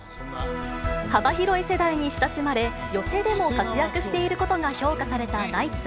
幅広い世代に親しまれ、寄席でも活躍していることが評価されたナイツ。